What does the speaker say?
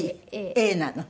Ａなの？